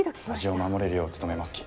「味を守れるよう努めますき」。